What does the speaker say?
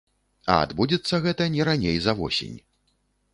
А адбудзецца гэта не раней за восень.